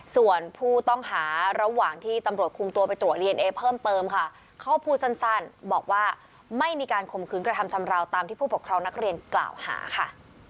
ส่วนผู้ต้องหาระหว่างที่ตำรวจคุมตัวไปตรวจดีเอนเอเพิ่มเติมค่ะเขาพูดสั้นบอกว่าไม่มีการข่มขืนกระทำชำราวตามที่ผู้ปกครองนักเรียนกล่าวหาค่ะ